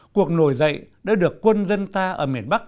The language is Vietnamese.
cuộc nổi dậy đã được quân dân ta ở miền bắc